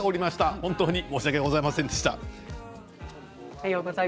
本当に申し訳ございませんでした。